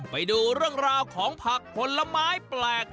ไปดูเรื่องราวของผักผลไม้แปลก